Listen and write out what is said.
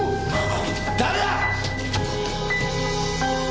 誰だ！？